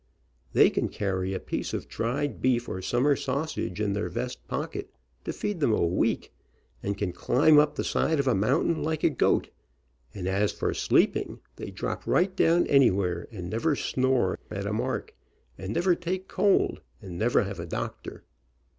They can carry a piece of dried beef or summer sausage in their vest pocket, to feed them a week, and can climb up the side of a mountain like a goat, and as for sleep ing, they drop right down anywhere and snore at a mark, and never take cold, and never have a doctor.